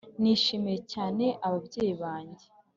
nishimiye cyane ababyeyi banjye